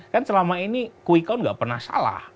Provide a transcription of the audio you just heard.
kan selama ini kuikoun enggak pernah salah